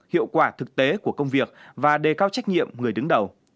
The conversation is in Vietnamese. hiệu quả thực tế của công việc và đề cao trách nhiệm người đứng đầu